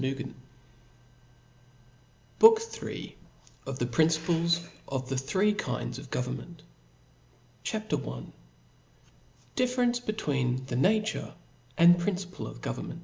vj BOOK IIL Of the Principles of the three kinds of Government. CHAP. L difference between the Nature and Principle of Government.